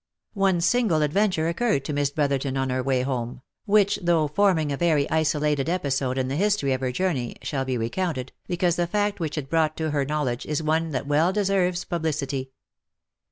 One single adventure occurred to Miss Brotherton on her way home, t2 276 THE LIFE AND ADVENTURES which though forming a very isolated episode in the history of her journey, shall be recounted, because the fact which it brought to her knowledge is one that well deserves publicity.